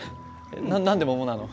な何で桃なの？